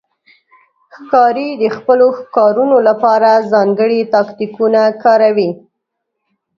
ښکاري د خپلو ښکارونو لپاره ځانګړي تاکتیکونه کاروي.